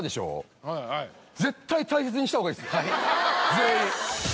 全員！